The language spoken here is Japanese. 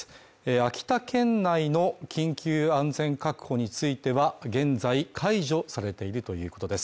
秋田県内の緊急安全確保については、現在解除されているということです。